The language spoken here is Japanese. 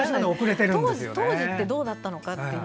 当時ってどうだったのかっていう。